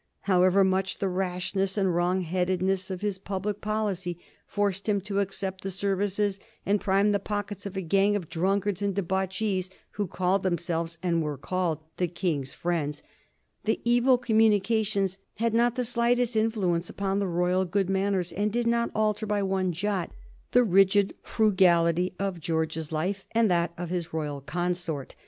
However much the rashness and wrong headedness of his public policy forced him to accept the services and prime the pockets of a gang of drunkards and debauchees who called themselves and were called the King's friends, the evil communications had not the slightest influence upon the royal good manners, and did not alter by one jot the rigid frugality of George's life and that of his royal consort.